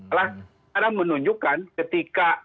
alah sekarang menunjukkan ketika